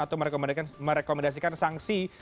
atau merekomendasikan sanksi